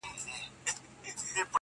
ما چي توبه وکړه اوس ناځوانه راته و ویل,